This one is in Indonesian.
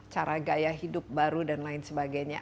cara gaya hidup baru dan lain sebagainya